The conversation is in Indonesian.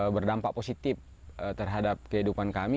berdampak positif terhadap kehidupan kami